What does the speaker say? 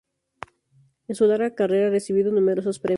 En su larga carrera, ha recibido numerosos premios.